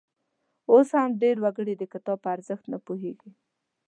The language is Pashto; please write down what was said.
اوس هم ډېر وګړي د کتاب په ارزښت نه پوهیږي.